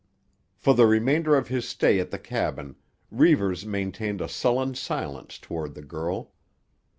For the remainder of his stay at the cabin, Reivers maintained a sullen silence toward the girl.